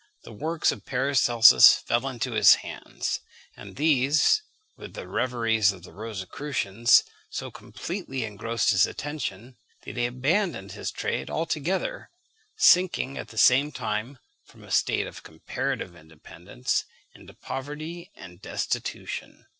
The works of Paracelsus fell into his hands; and these, with the reveries of the Rosicrucians, so completely engrossed his attention, that he abandoned his trade altogether, sinking, at the same time, from a state of comparative independence into poverty and destitution.